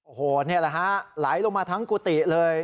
โอ้โหนี่แหละฮะไหลลงมาทั้งกุฏิเลย